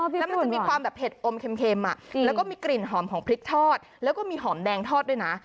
แล้วมันจะมีความแบบเผ็ดอมเค็มแล้วก็มีกลิ่นหอมของพริกทอดแล้วก็มีหอมแดงทอดด้วยนะ